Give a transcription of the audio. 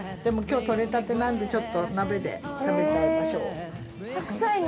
でも今日採れたてなのでちょっと鍋で食べちゃいましょう。